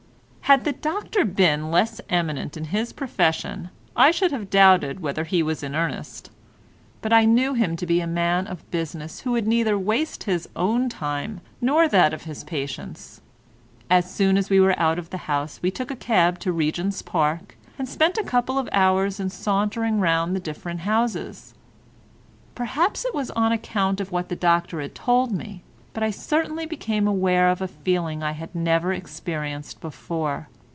Had the doctor been less eminent in his profession I should have doubted whether he was in earnest, but I knew him to be a man of business who would neither waste his own time nor that of his patients. As soon as we were out of the house we took a cab to Regent's Park, and spent a couple of hours in sauntering round the different houses. Perhaps it was on account of what the doctor had told me, but I certainly became aware of a feeling I had never experienced before.